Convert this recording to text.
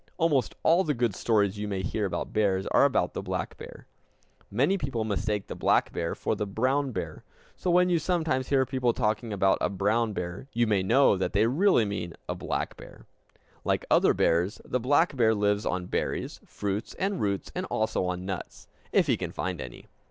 Almost all the good stories you may hear about bears are about the black bear. Many people mistake the black bear for the brown bear; so when you sometimes hear people talking about a "brown" bear, you may know that they really mean a "black" bear. Like other bears, the black bear lives on berries, fruits, and roots, and also on nuts, if he can find any.